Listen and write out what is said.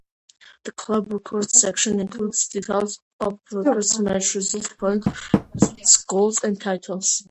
The club records section includes details of record match results, points, goals and titles.